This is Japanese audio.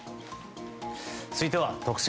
続いては、特選！！